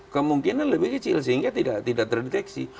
kemungkinan lebih kecil sehingga tidak terdeteksi